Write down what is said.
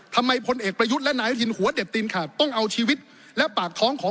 พลเอกประยุทธ์และนายอนุทินหัวเด็ดตีนขาดต้องเอาชีวิตและปากท้องของ